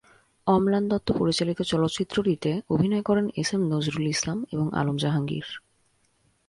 অম্লান দত্ত পরিচালিত চলচ্চিত্রটিতে অভিনয় করেন এস এম নজরুল ইসলাম এবং আলম জাহাঙ্গীর।